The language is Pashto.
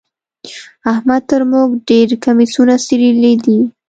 احمد تر موږ ډېر کميسونه څيرلي دي.